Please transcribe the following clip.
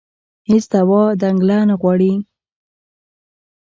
هېڅ دعوا دنګله نه غواړي